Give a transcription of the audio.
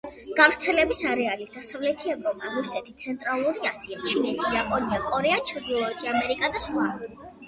გავრცელების არეალი: დასავლეთი ევროპა, რუსეთი, ცენტრალური აზია, ჩინეთი, იაპონია, კორეა, ჩრდილოეთი ამერიკა და სხვა.